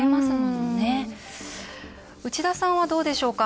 内田さんはどうでしょうか。